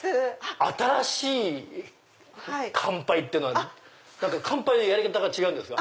新しい乾杯ってのは乾杯のやり方が違うんですか？